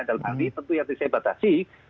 dalam hal ini tentu yang bisa dibatasi